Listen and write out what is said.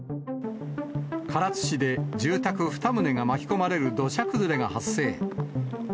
唐津市で住宅２棟が巻き込まれる土砂崩れが発生。